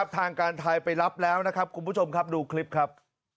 ทางการไทยไปรับแล้วนะครับคุณผู้ชมครับดูคลิปครับ